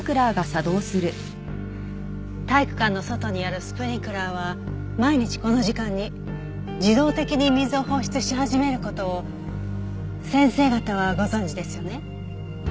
体育館の外にあるスプリンクラーは毎日この時間に自動的に水を放出し始める事を先生方はご存じですよね？